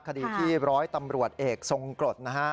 คดีที่ร้อยตำรวจเอกทรงกรดนะฮะ